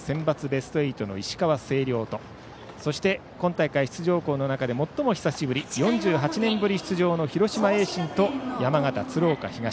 ベスト８の石川・星稜とそして、今大会出場校の中で最も久しぶりの４８年ぶり出場の広島・盈進と山形・鶴岡東。